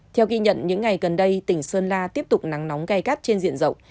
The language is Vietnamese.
theo ghi nhận những ngày gần đây tỉnh sơn la tiếp tục nắng nóng gai gắt trên diện rộng